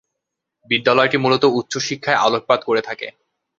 বিশ্ববিদ্যালয়টি মূলত উচ্চ শিক্ষায় আলোকপাত করে থাকে।